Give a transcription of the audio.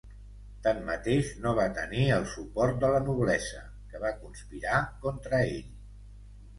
Tanmateix no va tenir el suport de la noblesa, que va conspirar contra ell.